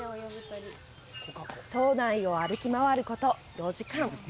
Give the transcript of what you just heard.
島内を歩き回ること、４時間。